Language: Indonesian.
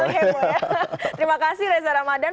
terima kasih reza ramadhan